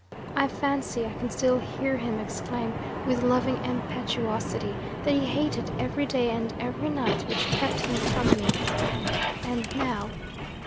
I fancy I can still hear him exclaim, with loving impetuosity, that he hated every day and every night which kept him from me. And now?